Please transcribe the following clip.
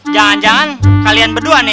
jangan jangan kalian berdua nih